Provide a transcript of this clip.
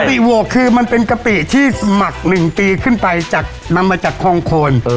ปีโหวกคือมันเป็นกะปิที่หมัก๑ปีขึ้นไปจากนำมาจากคองโคน